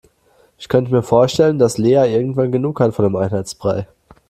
Ich könnte mir vorstellen, dass Lea irgendwann genug hat von dem Einheitsbrei.